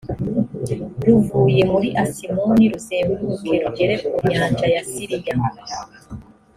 ruvuye muri asimoni ruzenguruke rugere ku nyanja ya siliya